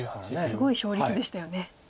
すごい勝率でしたよね。